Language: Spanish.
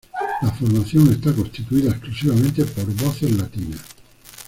La formación está constituida exclusivamente por voces latinas.